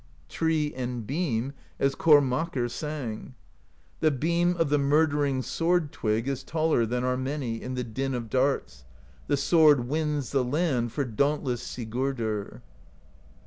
Tree and Beam, as Kormakr sang: The Beam of the murdering Sword Twig Is taller than are many In the Din of Darts; the sword wins The land for dauntless Sigurdr.